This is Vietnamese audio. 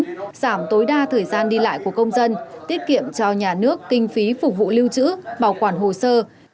giảm tối đa thời gian đi lại của công dân tiết kiệm cho nhà nước kinh phí phục vụ lưu trữ bảo quản hồ sơ